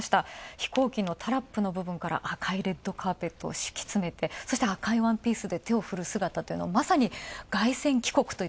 飛行機のタラップの部分から赤いレッドカーペットを敷き詰めてそして赤いワンピースで手を振る姿というのは、まさに凱旋帰国。